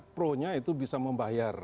pro nya itu bisa membayar